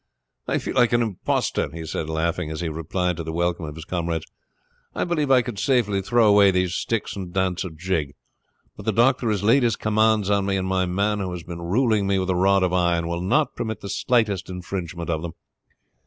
"I feel like an impostor," he said, laughing, as he replied to the welcome of his comrades. "I believe I could safely throw away these sticks and dance a jig; but the doctor has laid his commands on me, and my man, who has been ruling me with a rod of iron, will not permit the slightest infringement of them.